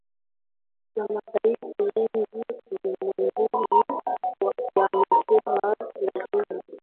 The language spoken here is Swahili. na mataifa mengi ulimwenguni yamesema lazima